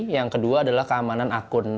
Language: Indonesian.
yang kedua adalah keamanan akun